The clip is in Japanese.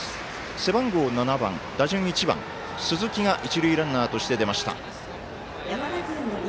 背番号７番、打順１番鈴木が一塁ランナーとして出ました。